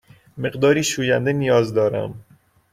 مقداری شوینده نیاز دارم.